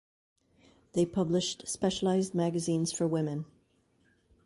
They published specialized magazines for women.